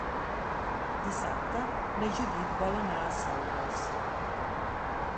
Dissabte na Judit vol anar a Saldes.